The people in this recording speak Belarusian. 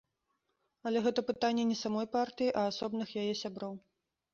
Але гэта пытанне не самой партыі, а асобных яе сяброў.